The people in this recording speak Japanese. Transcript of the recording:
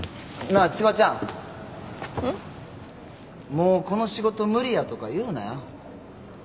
もうこの仕事無理やとか言うなよ。